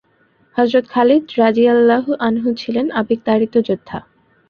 হযরত Khalid রাযিয়াল্লাহু আনহু ছিলেন আবেগতাড়িত যোদ্ধা।